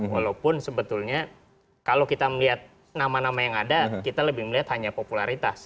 walaupun sebetulnya kalau kita melihat nama nama yang ada kita lebih melihat hanya popularitas